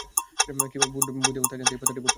কীভাবে ভোট দিবেন তা জানতে এই পাতাটি পড়ুন।